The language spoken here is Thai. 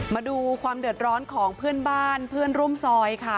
มาดูความเดือดร้อนของเพื่อนบ้านเพื่อนร่วมซอยค่ะ